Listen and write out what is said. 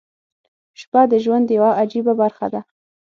• شپه د ژوند یوه عجیبه برخه ده.